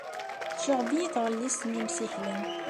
Tecɣeb-iyi tɣellist n yimsiklen.